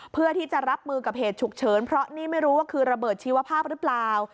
เพื่อที่จะรับมือกับเหตุฉุกเฉินเพราะนี่ไม่รู้ว่าคือระเบิดชีวภาพหรือเปล่า